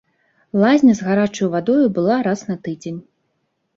Лазня з гарачаю вадой была раз на тыдзень.